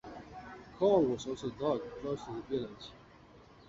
Coal was also dug close to the village.